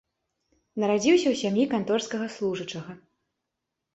Нарадзіўся ў сям'і канторскага служачага.